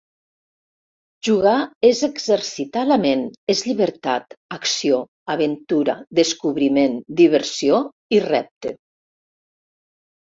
Jugar és exercitar la ment, és llibertat, acció, aventura, descobriment, diversió i repte.